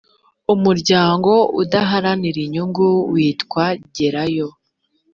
umuryango udaharanira inyungu witwa gerayo